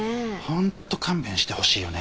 ホント勘弁してほしいよね